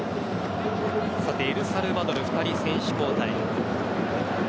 エルサルバドル、２人選手交代。